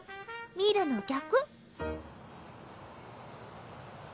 見るの逆